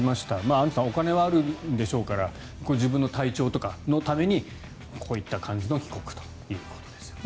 アンジュさんお金はあるんでしょうから自分の体調とかのためにこういった感じの帰国ということですね。